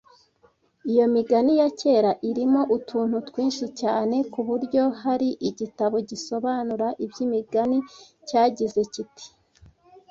Iyo migani ya kera irimo utuntu twinshi cyane ku buryo hari igitabo gisobanura iby’imigani cyagize kiti